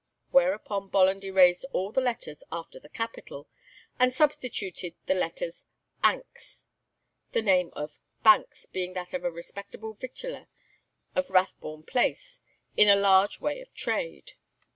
Whereupon Bolland erased all the letters after the capital, and substituted the letters "anks," the name of Banks being that of a respectable victualler of Rathbone Place, in a large way of trade.